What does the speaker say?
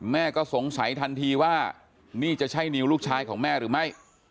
แม่ก็สงสัยทันทีว่านี่จะใช่นิวลูกชายของแม่หรือไม่